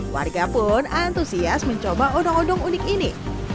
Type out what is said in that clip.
warga pun antusias mencoba odong odong unik ini